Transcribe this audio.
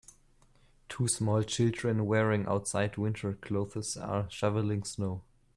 Two small children wearing outside winter clothes are shoveling snow.